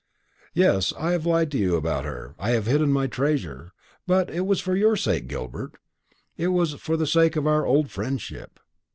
"Yes, I have lied to you about her, I have hidden my treasure. But it was for your sake, Gilbert; it was for the sake of our old friendship.